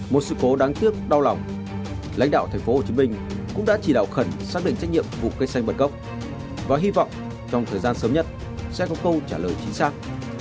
một sự cố đáng tiếc đau lòng lãnh đạo thành phố hồ chí minh cũng đã chỉ đạo khẩn xác định trách nhiệm vụ cây xanh bật gốc và hy vọng trong thời gian sớm nhất sẽ có câu trả lời chính xác